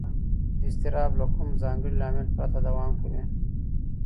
اضطراب له کوم ځانګړي لامل پرته دوام کوي.